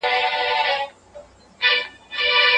ناروغ ته د میوې جوس مه ورکوئ.